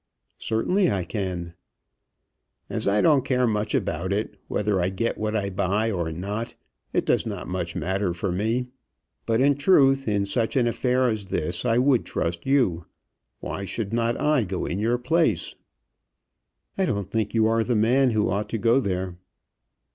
"Certainly I can." "As I don't care much about it, whether I get what I buy or not, it does not much matter for me. But in truth, in such an affair as this I would trust you. Why should not I go in your place?" "I don't think you are the man who ought to go there."